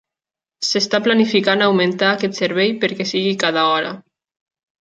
S'està planificant augmentar aquest servei perquè sigui cada hora.